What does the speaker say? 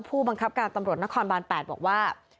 ผู้บังคับการตำรวจนครบาน๘บอกว่า